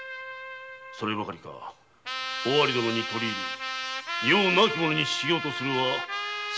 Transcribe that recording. そればかりか尾張殿に取り入り余を亡き者にしようとするは逆恨みじゃ。